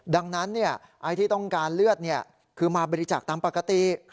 ดังนั้นไอ้ที่ต้องการเลือดคือมาบริจาคตามปกติ